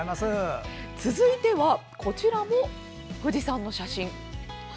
続いて、こちらも富士山のお写真。